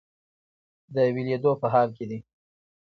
د ویلیدو په حال کې دی.